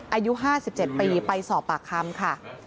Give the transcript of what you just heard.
อายุ๕๗ปีไปสอบปากคำค่ะ